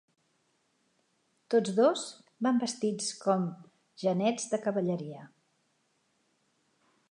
Tots dos van vestits com genets de cavalleria.